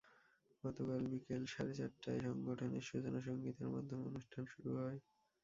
গতকাল বিকেল সাড়ে চারটায় সংগঠনের সূচনা সংগীতের মাধ্যমে অনুষ্ঠান শুরু হয়।